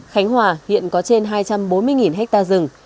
khánh hòa hiện có trên hai trăm bốn mươi hệ thống